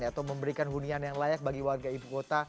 atau memberikan hunian yang layak bagi warga ibu kota